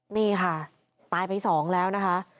นี่ค่ะตายไปสองแล้วนะคะ